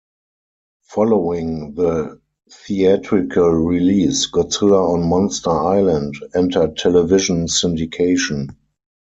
Following the theatrical release, "Godzilla on Monster Island" entered television syndication.